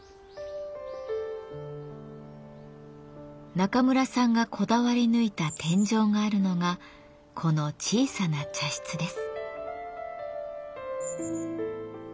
中村さんがこだわりぬいた天井があるのがこの小さな茶室です。